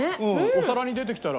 お皿に出てきたら。